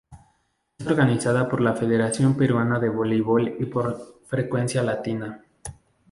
Es organizada por la Federación Peruana de Voleibol y por Frecuencia Latina.